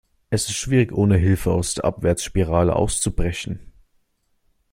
Es ist schwierig, ohne Hilfe aus der Abwärtsspirale auszubrechen.